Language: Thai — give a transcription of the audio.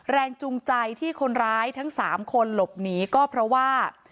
แรงจูงใจที่คนร้ายทั้ง๓คนหลบหนีก็เพราะว่า